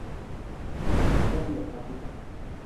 ระเบียบปฎิบัติ